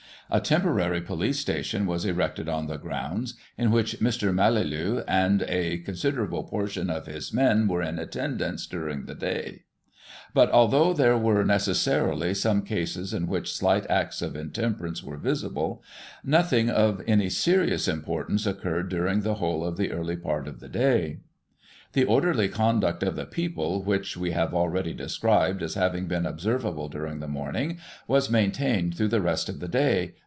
A tem porary police station was erected in the grounds, in which Mr. Mallalieu and a considerable portion of his men were in attendance during the day; but, although there were, necessarily, some cases in which slight acts of intemperance were visible, nothing of any serious importance occurred during the whole of the early part of the day. " The orderly conduct of the people, which we have already described as having been observable during the morning, was maintained through the rest of the day.